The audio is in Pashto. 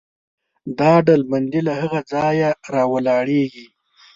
دا ډلبندي له هغه ځایه راولاړېږي.